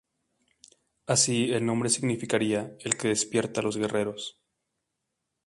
Así el nombre significaría "El que despierta a los guerreros".